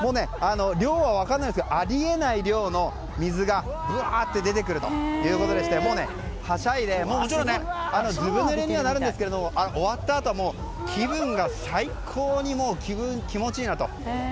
量は分からないですがあり得ない量の水がぶわーっと出てくるということでしてはしゃいでずぶぬれにはなるんですが終わったあと、気分が最高に気持ちいいなと。